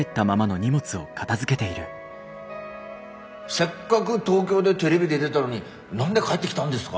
「せっかぐ東京でテレビ出でだのに何で帰ってきたんですか？